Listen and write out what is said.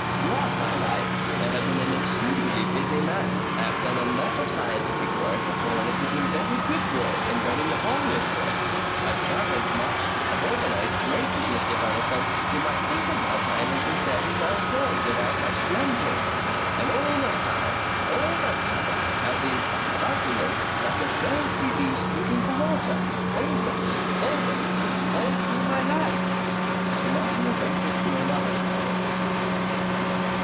"Throughout my life I have been an exceedingly busy man. I have done a lot of scientific work and some of it has been very good work. And very laborious work. I've travelled much. I've organized great business developments. You might think that my time has been fairly well filled without much philandering. And all the time, all the time, I've been about women like a thirsty beast looking for water.... Always. Always. All through my life." Dr. Martineau waited through another silence.